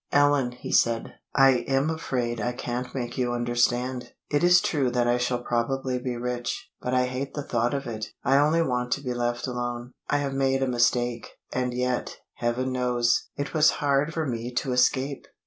"Ellen," he said, "I am afraid I can't make you understand. It is true that I shall probably be rich, but I hate the thought of it. I only want to be left alone. I have made a mistake, and yet, Heaven knows, it was hard for me to escape!